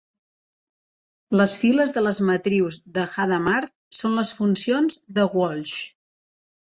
Les files de les matrius de Hadamard són les funcions de Walsh.